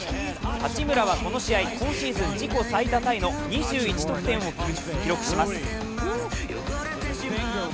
八村はこの試合今シーズン自己最多タイの２１得点を記録する活躍。